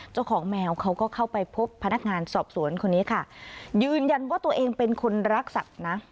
เจ้าของแมวเขาก็เข้าไปพบพนักงานสอบสวนคนนี้ค่ะยืนยันว่าตัวเองเป็นคนรักสัตว์นะ